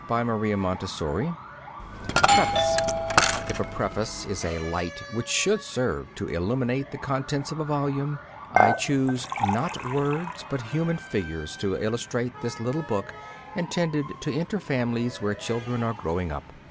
[Signed: Maria Montessori] PREFACE If a preface is a light which should serve to illumine the contents of a volume, I choose, not words, but human figures to illustrate this little book intended to enter families where children are growing up.